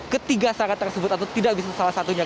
ketiga syarat tersebut atau tidak bisa salah satunya